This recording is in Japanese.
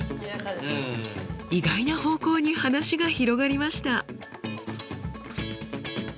意外な方向に話が広がりました。